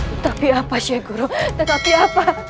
tetapi apa sih guru tetapi apa